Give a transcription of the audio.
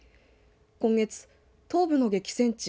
今月、東部の激戦地